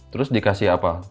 terus dikasih apa